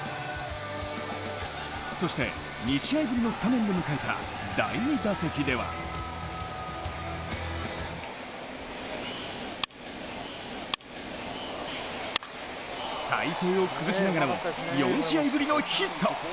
そして２試合ぶりのスタメンで迎えた第２打席では体制を崩しながらも４試合ぶりのヒット。